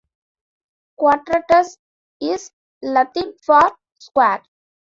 "Quadratus" is Latin for "square".